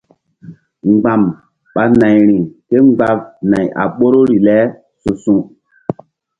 Mgba̧m ɓa nayri kémgba nay a ɓoruri le su̧su̧.